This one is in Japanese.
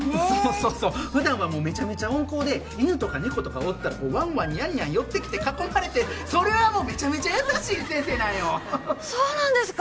そうそう普段はめちゃめちゃ温厚で犬とか猫とかおったらワンワンニャンニャン寄ってきて囲まれてそれはもうめちゃめちゃ優しい先生なんよそうなんですか！？